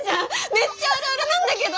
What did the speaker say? めっちゃあるあるなんだけど！